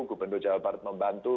gubernur jawa barat membantu